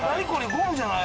ゴムじゃない。